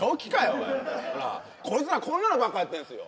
おいこいつらこんなのばっかりやってんすよ